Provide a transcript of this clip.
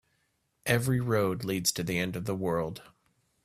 Every road leads to the end of the world.